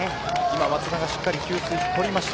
松田がしっかりと給水を取りました。